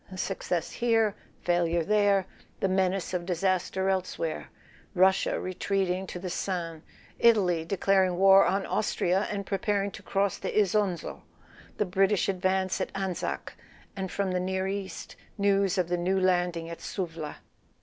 Success here, [ 256 ] A SON AT THE FRONT failure there, the menace of disaster elsewhere—Russia retreating to the San, Italy; declaring war on Austria and preparing to cross the Isonzo, the British advance at Anzac, and from the near East news of the new landing at Suvla.